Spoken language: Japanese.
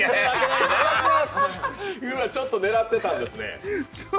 うわっ、ちょっと狙ってたんですね。